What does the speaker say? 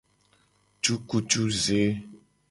Cukucuze.